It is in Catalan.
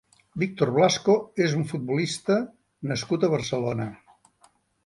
Victor Blasco és un futbolista nascut a Barcelona.